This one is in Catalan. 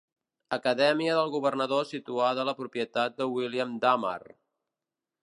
Acadèmia del governador situada a la propietat de William Dummer.